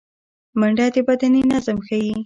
منډه د بدني نظم ښيي